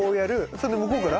それで向こうから？